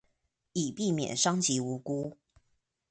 以避免傷及無辜